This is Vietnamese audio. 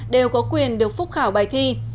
đều có quyền được phúc khảo bài thi